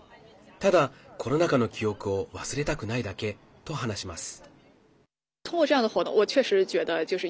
ただ、コロナ禍の記憶を忘れたくないだけと話します。